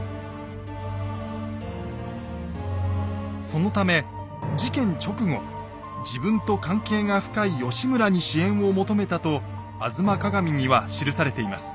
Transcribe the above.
そのため事件直後自分と関係が深い義村に支援を求めたと「吾妻鏡」には記されています。